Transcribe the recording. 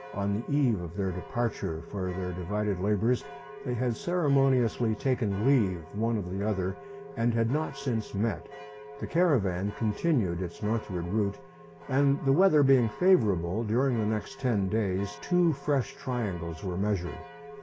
On the eve of their departure for their divided labours, they had ceremoniously taken leave one of the other, and had not since met. The caravan continued its northward route, and the weather being favourable, during the next ten days two fresh triangles were measured.